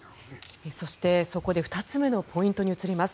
そして、そこで２つ目のポイントに移ります。